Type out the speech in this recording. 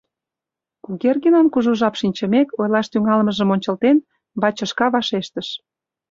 — Кугергинын, кужу жап шинчымек, ойлаш тӱҥалмыжым ончылтен, бачышка вашештыш.